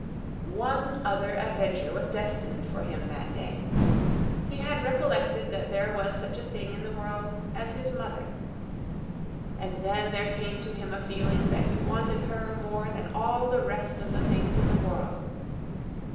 One other adventure was destined for him that day. He had recollected that there was such a thing in the world as his mother. And then there came to him a feeling that he wanted her more than all the rest of the things in the world.